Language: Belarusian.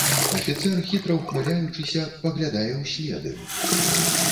Афіцэр, хітра ўхмыляючыся, паглядае ўслед ім.